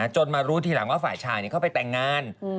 จนมารู้ทีหลังว่าฝ่ายชายเข้าไปแต่งงาน